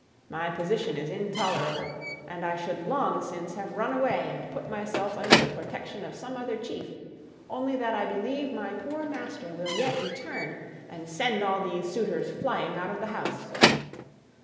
My position is intolerable, and I should long since have run away and put myself under the protection of some other chief, only that I believe my poor master will yet return, and send all these suitors flying out of the house."